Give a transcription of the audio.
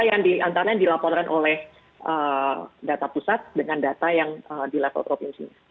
yang antara yang dilaporan oleh data pusat dengan data yang dilapor provinsi